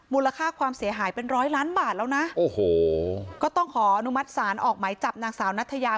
มูลค่าความเสียหายเป็นร้อยล้านบาทแล้วนะโอ้โหก็ต้องขออนุมัติศาลออกไหมจับนางสาวนัทยา